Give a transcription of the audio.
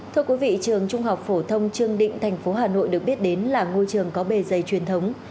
thưa quý vị trường trung học phổ thông trương định thành phố hà nội được biết đến là ngôi trường có bề dày truyền thống